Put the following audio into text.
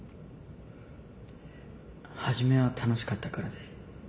初めは楽しかったからです。